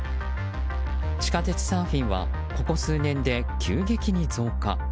地下鉄サーフィンはここ数年で急激に増加。